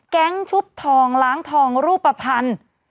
งชุบทองล้างทองรูปภัณฑ์